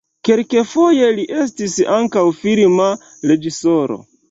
Kelkfoje li estis ankaŭ filma reĝisoro.